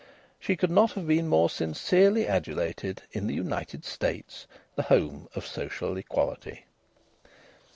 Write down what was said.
She could not have been more sincerely adulated in the United States, the home of social equality.